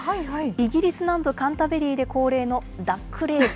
イギリス南部カンタベリーで恒例のダックレース。